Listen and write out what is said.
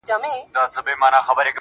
ه بيا دي ږغ کي يو عالم غمونه اورم